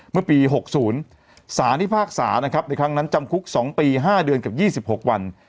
เมื่อปี๖๐ศาลที่ภาคศานะครับเดี๋ยวครั้งนั้นจำคุก๒ปี๕เดือนกับ๒๖วัน